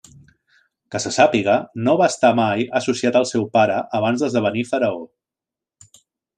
Que se sàpiga, no va estar mai associat al seu pare abans d'esdevenir faraó.